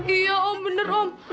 iya om bener om